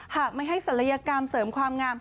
หากไม่ให้ศัลยกรรมเสริมความงาม